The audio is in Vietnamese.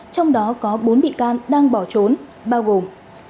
trong đó có bốn bị can đang bỏ trốn bao gồm